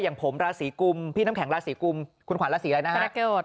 อย่างผมราศีกุมพี่น้ำแข็งราศีกุมคุณขวัญราศีอะไรนะฮะ